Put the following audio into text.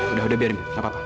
udah udah biarin gapapa